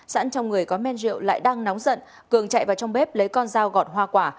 sẵn trong người có men rượu lại đang nóng giận cường chạy vào trong bếp lấy con dao gọt hoa quả